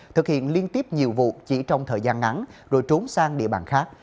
thực hiện liên tiếp nhiều vụ chỉ trong thời gian ngắn rồi trốn sang địa bàn khác